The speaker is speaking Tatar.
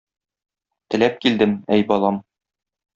Теләп килдем, әй балам!